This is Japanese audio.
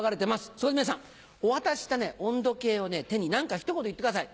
そこで皆さんお渡しした温度計を手に何か一言言ってください。